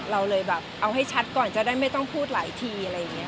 เราเลยแบบเอาให้ชัดก่อนจะได้ไม่ต้องพูดหลายทีอะไรอย่างนี้